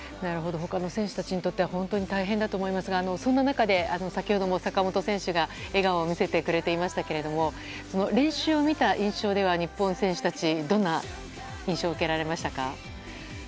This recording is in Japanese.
他の選手たちにとっては本当に大変だと思いますがそんな中で先ほども坂本選手が笑顔を見せてくれていましたけれども練習を見た印象では日本選手たちどんな印象を受けられましたか？